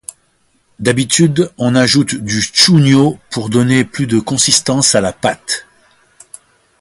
D'habitude on ajoute du chuño pour donner plus de consistance à la pâte.